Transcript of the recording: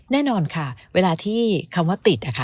แน่นอนค่ะเวลาที่คำว่าติดนะคะ